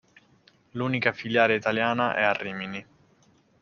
L'unica filiale italiana è a Rimini.